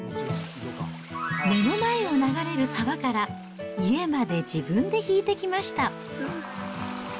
目の前を流れる沢から、家まで自分で引いてきました。